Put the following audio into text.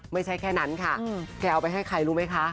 ไม่ใช่แค่นั้นค่ะแกเอาไปให้ใครรู้ไหมคะ